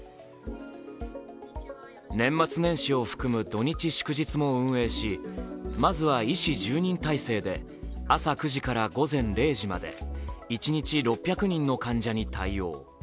年末年始を含む土日・祝日も運営し、まずは医師１０人態勢で朝９時から午前０時まで一日６００人の患者に対応。